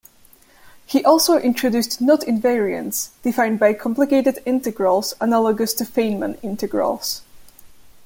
He also introduced knot invariants defined by complicated integrals analogous to Feynman integrals.